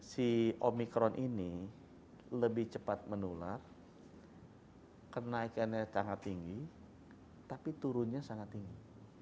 si omikron ini lebih cepat menular kenaikannya sangat tinggi tapi turunnya sangat tinggi